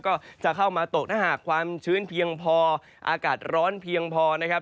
ก็จะเข้ามาตกถ้าหากความชื้นเพียงพออากาศร้อนเพียงพอนะครับ